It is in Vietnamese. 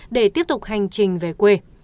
để tiếp tục hành trình về quê